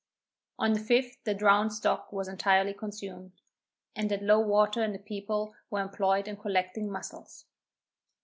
On the 5th the drowned stock was entirely consumed, and at low water the people were employed in collecting muscles.